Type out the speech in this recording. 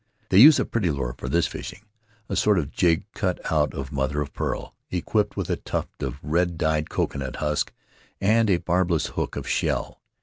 They use a pretty lure for this fishing — a sort of jig cut out of mother of pearl, equipped with a tuft of red dyed coconut husk and a barbless hook of shell.